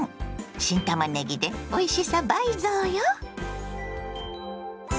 新たまねぎでおいしさ倍増よ！